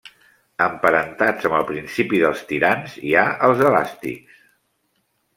Emparentats amb el principi dels tirants hi ha els elàstics.